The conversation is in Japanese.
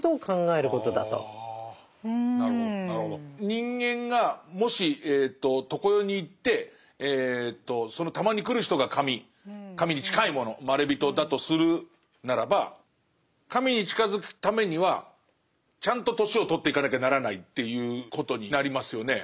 人間がもし常世に行ってそのたまに来る人が神神に近いものまれびとだとするならば神に近づくためにはちゃんと年を取っていかなきゃならないっていうことになりますよね。